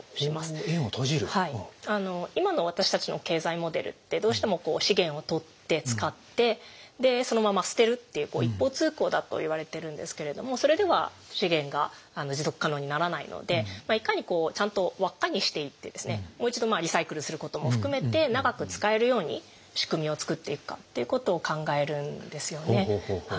今の私たちの経済モデルってどうしても資源をとって使ってでそのまま捨てるっていう一方通行だといわれてるんですけれどもそれでは資源が持続可能にならないのでいかにちゃんと輪っかにしていってもう一度リサイクルすることも含めて長く使えるように仕組みを作っていくかっていうことを考えるんですよね。